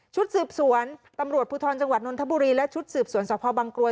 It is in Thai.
ชุดสืบสวนตำรวจพจนทบุรีและชุดสืบสวนสพบังกลวย